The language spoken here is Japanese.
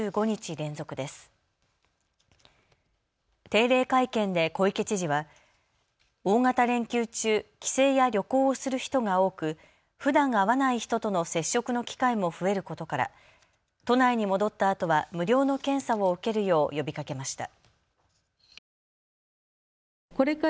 定例会見で小池知事は大型連休中、帰省や旅行をする人が多く、ふだん会わない人との接触の機会も増えることから都内に戻ったあとは無料の検査を受けるよう呼びかけました。